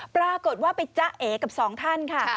ปรากฏว่าไปจ๊ะเอกับสองท่านค่ะ